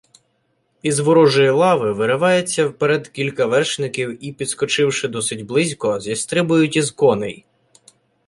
Із ворожої лави виривається вперед кілька вершників і, підскочивши досить близько, зістрибують із коней.